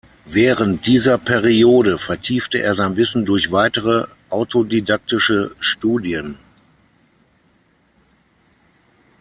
Während dieser Periode vertiefte er sein Wissen durch weitere autodidaktische Studien.